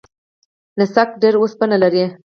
نسک ډیر اوسپنه لري.